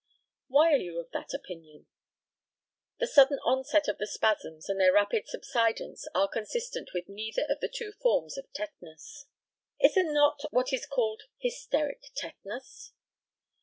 Why are you of that opinion? The sudden onset of the spasms and their rapid subsidence are consistent with neither of the two forms of tetanus. Is there not what is called hysteric tetanus?